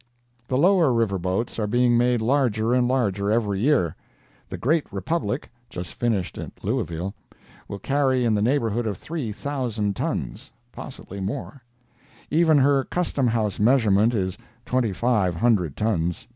The lower river boats are being made larger and larger every year. The Great Republic, just finished at Louisville, will carry in the neighborhood of three thousand tons—possibly more; even her Custom House measurement is twenty five hundred tons.